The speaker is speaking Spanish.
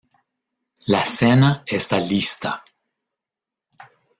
La cena esta lista